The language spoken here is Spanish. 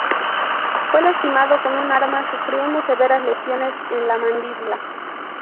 Fue lastimado con un arma sufriendo severas lesiones en la mandíbula.